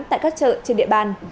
tại các chợ trên địa bàn